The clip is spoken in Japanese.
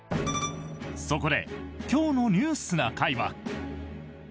そこで今日の「ニュースな会」は。